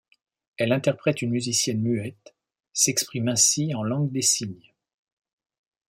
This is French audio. Elle interprète une musicienne muette, s'exprime ainsi en langue des signes.